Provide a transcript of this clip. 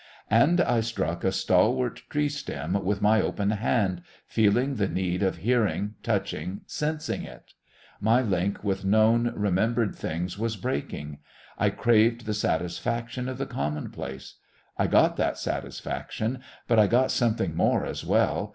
And I struck a stalwart tree stem with my open hand, feeling the need of hearing, touching, sensing it. My link with known, remembered things was breaking. I craved the satisfaction of the commonplace. I got that satisfaction; but I got something more as well.